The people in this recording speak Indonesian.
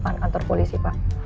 saya akan ke kantor polisi pak